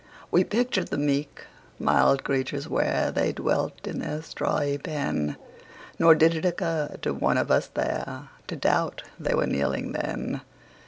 We pictured the meek mild creatures where They dwelt in their strawy pen, Nor did it occur to one of us there To doubt they were kneeling then.